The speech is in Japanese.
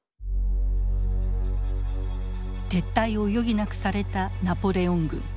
撤退を余儀なくされたナポレオン軍。